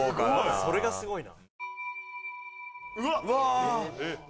それがすごいな・